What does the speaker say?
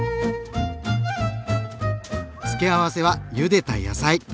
付け合わせはゆでた野菜。